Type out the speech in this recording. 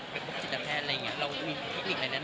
เป็นพวกจิตแขทย์อะไรอย่างนี้มันก็มีพิกริ่งอะไรต่าง